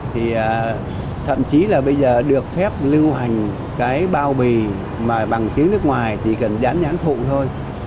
thì thậm chí là bây giờ được phép lưu hành cái bao bì mà bằng tiếng nước ngoài chỉ cần dán nhãn phụ thôi